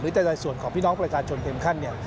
จะในส่วนของพี่น้องประชาชนเต็มขั้น